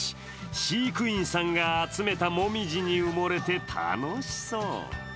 飼育員さんが集めた紅葉に埋もれて楽しそう。